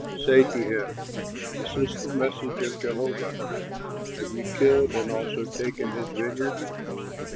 Say to him, 'This is the message of Jehovah, "Have you killed and also taken his vineyard?